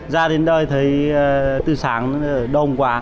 ra đến đây thấy từ sáng đông quá